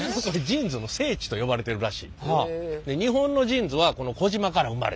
ジーンズの聖地と呼ばれてるらしい。